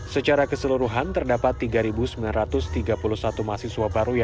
secara keseluruhan terdapat tiga sembilan ratus tiga puluh satu mahasiswa baru